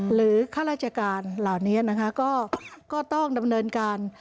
ข้าราชการเหล่านี้นะคะก็ต้องดำเนินการ